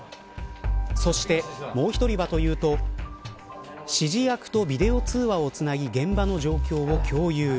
そして、もう１人はというと指示役とビデオ通話をつなぎ現場の状況を共有。